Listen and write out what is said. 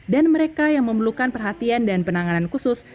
mereka yang memerlukan perhatian dan penanganan khusus